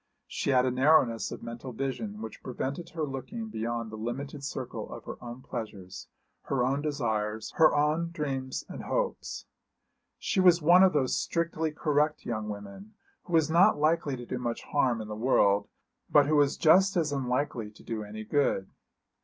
She had a narrowness of mental vision which prevented her looking beyond the limited circle of her own pleasures, her own desires, her own dreams and hopes. She was one of those strictly correct young women who was not likely to do much harm in the world but who was just as unlikely to do any good.